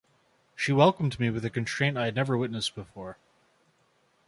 She welcomed me with a constraint I had never witnessed before.